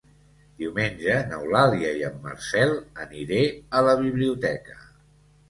Diumenge n'Eulàlia i en Marcel aniré a la biblioteca.